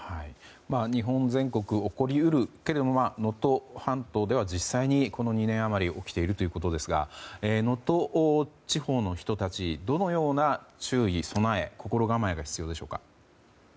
日本全国で起こり得るけれども能登半島ではこの２年あまり起きているということですが能登地方の人たちどのような注意や備え心構えが必要でしょうか。